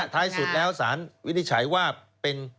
ท้ายสุดแล้วสารวินิจฉัยว่าเป็น